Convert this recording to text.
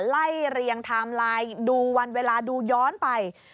ไล่เรียงไทม์ไลน์ดูวันเวลาดูย้อนไป